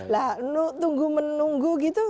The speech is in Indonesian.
lah nunggu menunggu gitu